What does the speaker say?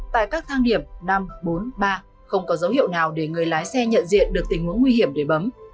tại các thang điểm năm bốn ba không có dấu hiệu nào để người lái xe nhận diện được tình huống nguy hiểm để bấm